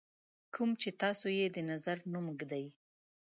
کوم چې تاسو یې د نظر نوم ږدئ.